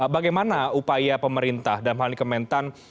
bagaimana upaya pemerintah dan pahlawani kementan